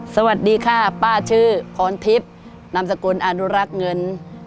สวัสดีค่ะป้าชื่อพรทิพย์นามสกุลอนุรักษ์เงิน